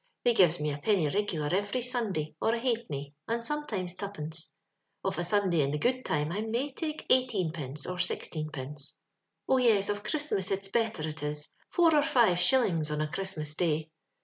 They gives me a penny rigular every Sunday, or a ha'penny, and some tuppence. Of a Sunday in the gooid time I may take eighteenpenoe or sixteen pence. *• Oh, yes, of Christmas it's better, it is— four or five shillings on a Christmas day.